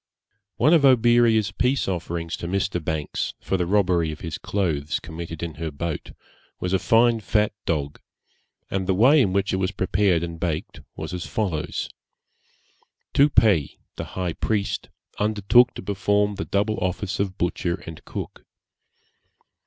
One of Oberea's peace offerings to Mr. Banks, for the robbery of his clothes committed in her boat, was a fine fat dog, and the way in which it was prepared and baked was as follows. Tupei, the high priest, undertook to perform the double office of butcher and cook.